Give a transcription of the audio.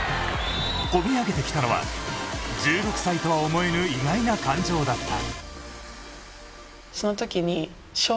こみ上げてきたのは１６歳とは思えぬ意外な感情だった。